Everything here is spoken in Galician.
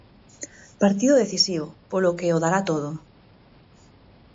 Partido decisivo polo que o dará todo.